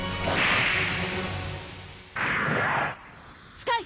スカイ！